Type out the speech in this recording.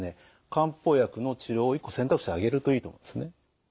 漢方薬の治療を一個選択肢に挙げるといいと思うんですね。